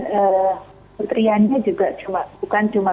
kementeriannya juga bukan cuma